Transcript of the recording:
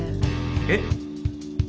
えっ？